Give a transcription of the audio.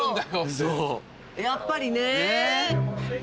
やっぱりね。